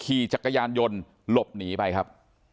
ขี่จักรยานยนต์หลบหนีไปครับ